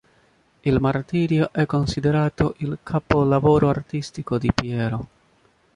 Il "Martirio" è considerato il capolavoro artistico di Piero.